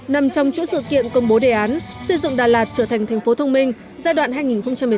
nằm trong chuỗi sự kiện công bố đề án xây dựng đà lạt trở thành thành phố thông minh giai đoạn hai nghìn một mươi chín hai nghìn hai mươi năm